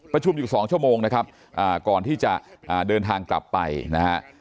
ประชุมอยู่๒ชั่วโมงนะครับก่อนที่จะเดินทางกลับไปนะฮะ